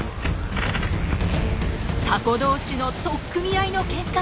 タコ同士の取っ組み合いのケンカ。